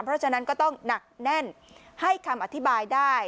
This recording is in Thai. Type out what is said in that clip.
เพราะฉะนั้นก็ต้องหนักแน่นให้คำอธิบายได้